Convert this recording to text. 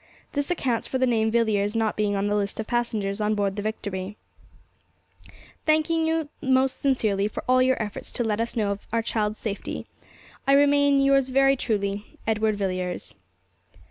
This accounts for the name Villiers not being on the list of passengers on board the Victory. 'Thanking you most sincerely for all your efforts to let us know of our child's safety, 'I remain, yours very truly, 'EDWARD VILLIERS.'